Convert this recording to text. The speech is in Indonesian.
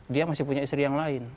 dia masih punya istri yang lain